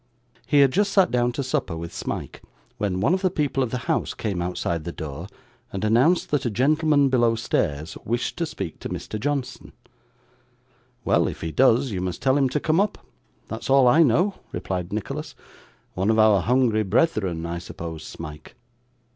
He had just sat down to supper with Smike, when one of the people of the house came outside the door, and announced that a gentleman below stairs wished to speak to Mr. Johnson. 'Well, if he does, you must tell him to come up; that's all I know,' replied Nicholas. 'One of our hungry brethren, I suppose, Smike.